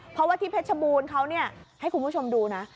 เพราะว่าที่เพชรบูรณ์เขาเนี่ยให้คุณผู้ชมดูนะ